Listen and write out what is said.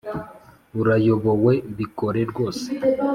urayobowe bikore rwose